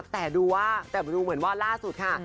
แต่ดูว่าแต่ดูเหมือนว่าล่าสุดค่ะ